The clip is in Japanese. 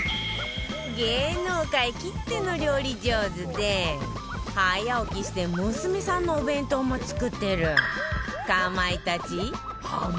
芸能界きっての料理上手で早起きして娘さんのお弁当も作ってる